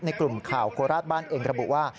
กลุ่มข่าวโคราชบ้านเองระบุว่า